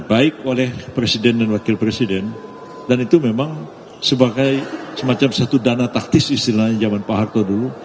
baik oleh presiden dan wakil presiden dan itu memang sebagai semacam satu dana taktis istilahnya zaman pak harto dulu